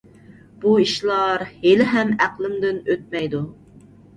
بۇ ئىشلار ھېلىھەم ئەقلىمدىن ئۆتمەيدۇ.